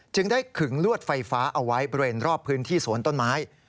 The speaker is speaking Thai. จึงได้ขึงลวดไฟฟ้าเอาไว้บริเวณรอบพื้นที่สวนต้นไม้